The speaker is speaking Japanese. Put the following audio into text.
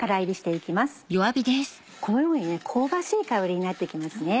このように香ばしい香りになって来ますね。